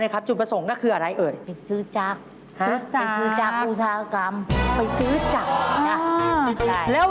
ลูกค้าก็ยังนับทื้อกันบ้างเดิมด้วย